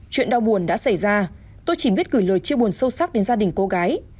chuyện đau buồn đã xảy ra tôi chỉ biết gửi lời chia buồn sâu sắc đến gia đình cô gái